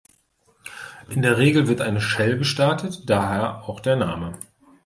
In der Regel wird eine Shell gestartet, daher auch der Name.